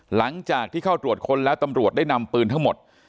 หลังจากที่เข้าตรวจค้นแล้วตำรวจได้นำปืนทั้งหมด